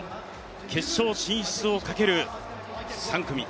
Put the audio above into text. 決勝進出をかける３組。